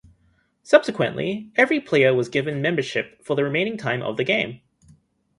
Subsequently, every player was given membership for the remaining time of the game.